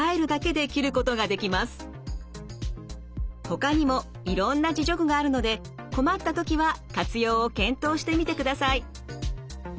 ほかにもいろんな自助具があるので困った時は活用を検討してみてください。